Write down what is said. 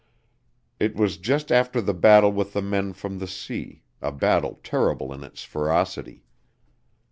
It was just after the battle with the men from the sea a battle terrible in its ferocity.